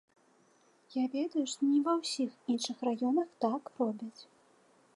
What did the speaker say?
Я ведаю, што не ва ўсіх іншых раёнах так робяць.